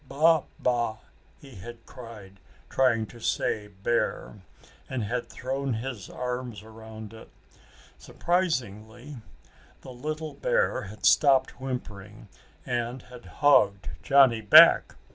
"Ba ba," he had cried, trying to say bear, and had thrown his arms around it. Surprisingly, the little bear had stopped whimpering and had hugged Johnny back.